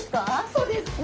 そうです。